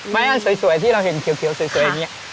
อันสวยที่เราเห็นเขียวสวยอย่างนี้